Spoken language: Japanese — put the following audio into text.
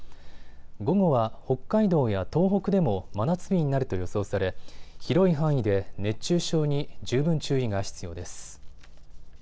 午後は北海道や東北でも真夏日になると予想され広い範囲で熱中症に十分注意が必要です。